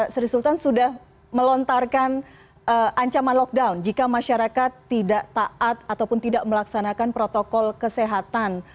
sri sultan sudah melontarkan ancaman lockdown jika masyarakat tidak taat ataupun tidak melaksanakan protokol kesehatan